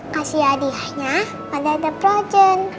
kasih hadiahnya pada tante frozen